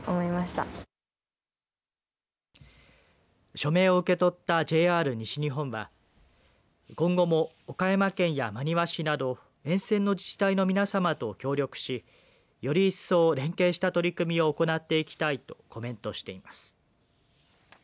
署名を受け取ったＪＲ西日本は今後も岡山県や真庭市など沿線の自治体の皆様と協力しより一層連携した取り組みを行っていきたいとコメントしています。